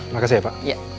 makasih ya pak